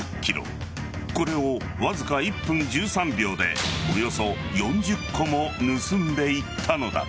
これをわずか１分１３秒でおよそ４０個も盗んでいったのだ。